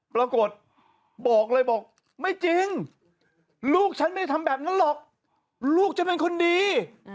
ปรากฏบอกเลยบอกไม่จริงลูกฉันไม่ได้ทำแบบนั้นหรอกลูกฉันเป็นคนดี